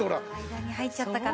間に入っちゃったから。